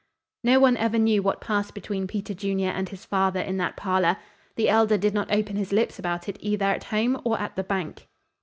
No one ever knew what passed between Peter Junior and his father in that parlor. The Elder did not open his lips about it either at home or at the bank.